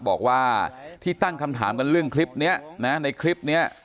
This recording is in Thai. บอกว่าที่ตั้งคำถามกันเรื่องคลิปนี้นะในคลิปนี้